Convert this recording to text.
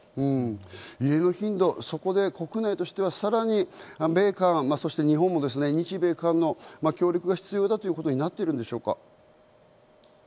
そこで国内としてはさらに米韓そして日本も日米韓の協力が必要だということになっているんでしょうか？